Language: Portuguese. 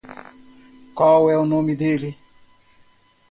Qual é o nome dele?